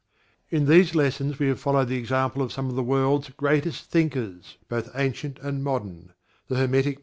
In these lessons we have followed the example of some of the world's greatest thinkers, both ancient and modern the Hermetic.